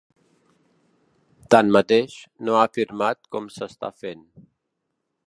Tanmateix, no ha afirmat com s’està fent.